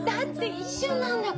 一瞬なんだから。